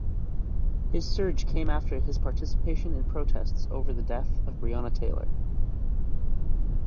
His surge came after his participation in protests over the death of Breonna Taylor.